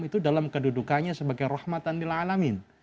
itu dalam kedudukannya sebagai rahmatan lil'alamin